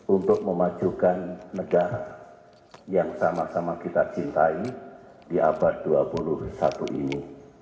untuk memajukan negara yang sama sama kita cintai di abad dua puluh satu ini